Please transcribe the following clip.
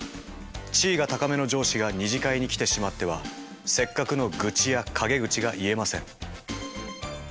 地位が高めの上司が二次会に来てしまってはせっかくの愚痴や陰口が言えません。